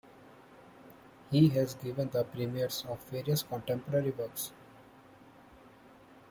He has given the premieres of various contemporary works.